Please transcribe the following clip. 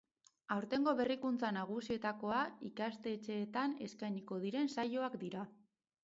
Aurtengo berrikuntza nagusienetakoa ikastetxeetan eskainiko diren saioak dira.